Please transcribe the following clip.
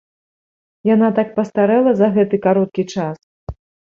Яна так пастарэла за гэты кароткі час!